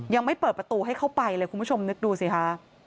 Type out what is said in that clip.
ยังไม่เปิดประตูให้เข้าไปเลยคุณผู้ชมนึกดูสิคะ